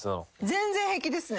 全然平気ですね。